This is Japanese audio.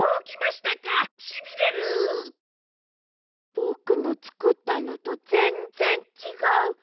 ぼくのつくったのとぜんぜんちがう。